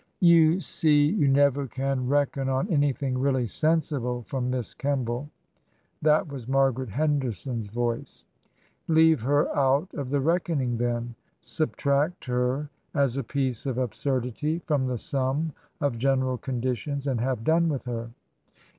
" You see you never can reckon on anything really sensible from Miss Kemball." That was Margaret Henderson's voice. " Leave her out of the reckoning, then. Subtract her as a piece of absurdity from the sum of general condi tions, and have done with her."